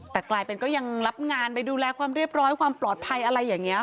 แต่กลายเป็นก็ยังรับงานไปดูแลความเรียบร้อยความปลอดภัยอะไรอย่างนี้